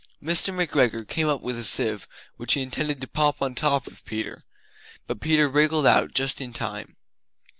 Mr. McGregor came up with a sieve which he intended to pop on the top of Peter, but Peter wriggled out just in time.